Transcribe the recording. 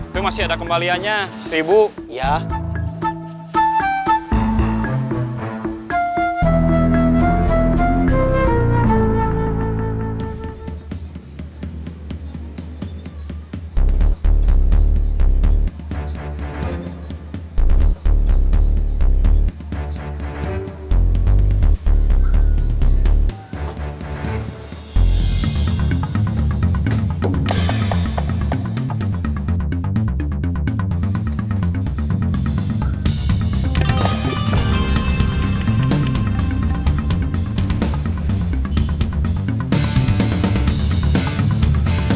tarik lagi kok disini